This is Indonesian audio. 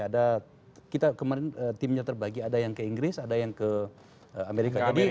ada kita kemarin timnya terbagi ada yang ke inggris ada yang ke amerika